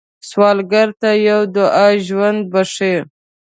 سوالګر ته یوه دعا ژوند بښي